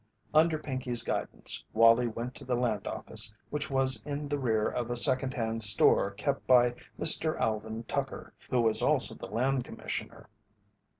Under Pinkey's guidance Wallie went to the land office, which was in the rear of a secondhand store kept by Mr. Alvin Tucker, who was also the land commissioner.